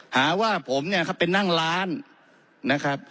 หาว่าผมเนี่ยเขาไปนั่งร้านนะครับ